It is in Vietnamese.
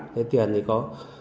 cái tiền thì có